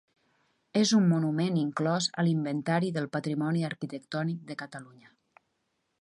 És un monument inclòs a l'Inventari del Patrimoni Arquitectònic de Catalunya.